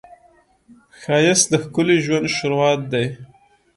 ښایست د ښکلي ژوند شروعات دی